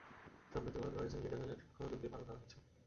সম্প্রতি ভরাট করা স্থানে গিয়ে দেখা যায়, খননযন্ত্র দিয়ে বালু ফেলা হচ্ছে।